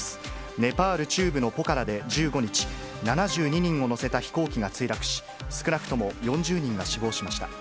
ネパール中部のポカラで１５日、７２人を乗せた飛行機が墜落し、少なくとも４０人が死亡しました。